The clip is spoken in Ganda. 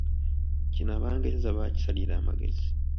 Kino Abangereza baakisalira amagezi.